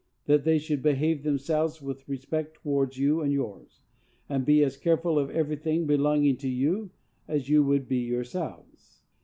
that they should behave themselves with respect towards you and yours, and be as careful of everything belonging to you as you would be yourselves?